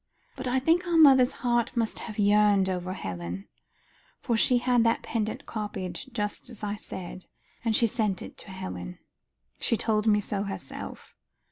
But I think our mother's heart must have yearned over Helen, for she had that pendant copied, just as I said, and she sent it to Helen. She told me so herself.